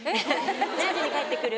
「何時に帰ってくる？」。